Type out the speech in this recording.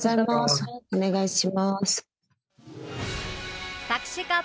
お願いします。